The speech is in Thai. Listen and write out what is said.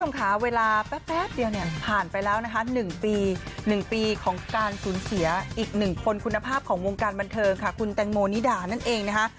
คุณผู้ชมค่ะเวลาแป๊บเดียวเนี่ยผ่านไปแล้วนะคะ๑ปี๑ปีของการสูญเสียอีกหนึ่งคนคุณภาพของวงการบันเทิงค่ะคุณแตงโมนิดานั่นเองนะคะ